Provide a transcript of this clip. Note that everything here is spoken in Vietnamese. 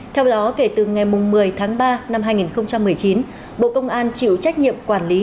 theo đó kể từ ngày một mươi tháng ba năm hai nghìn một mươi chín bộ công an chịu trách nhiệm quản lý